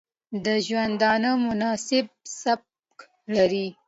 د ژوندانه مناسب سبک لري